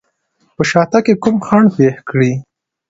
په شاتګ کې کوم خنډ پېښ کړي.